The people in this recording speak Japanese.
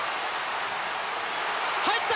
入った！